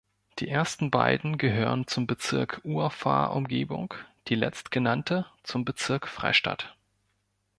Die ersten beiden gehören zum Bezirk Urfahr-Umgebung, die letztgenannte zum Bezirk Freistadt.